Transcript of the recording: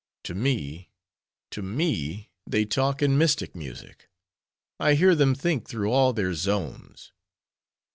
—To me to me, they talk in mystic music; I hear them think through all their zones.